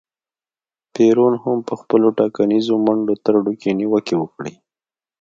پېرون هم په خپلو ټاکنیزو منډو ترړو کې نیوکې وکړې.